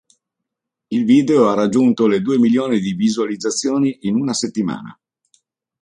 Il video ha raggiunto le due milioni di visualizzazioni in una settimana.